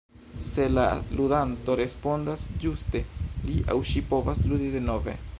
Se la ludanto respondas ĝuste, li aŭ ŝi povas ludi denove.